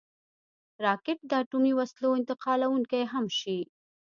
راکټ د اټومي وسلو انتقالونکی هم شي